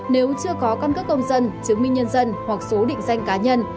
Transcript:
nếu chưa có căn cước công dân chứng minh nhân dân hoặc số định danh cá nhân